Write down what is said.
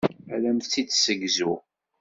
Ad am-t-id-tessegzu.